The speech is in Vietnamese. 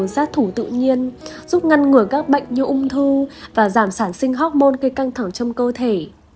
giác thủ tự nhiên giúp ngăn ngừa các bệnh như ung thư và giảm sản sinh hormone gây căng thẳng trong cơ thể